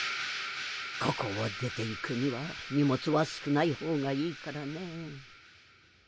ここを出ていくには荷物は少ない方がいいからね。